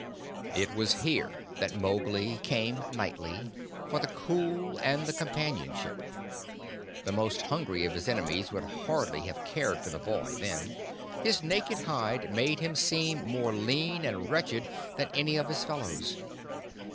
It was here that Mowgli came nightly for the cool and the companionship. The most hungry of his enemies would hardly have cared for the boy then. His naked hide made him seem more lean and wretched than any of his fellows.